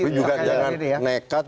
tapi juga jangan nekat